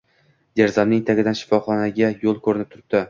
Derazamning tagidan shifoxonaga yo`l ko`rinib turibdi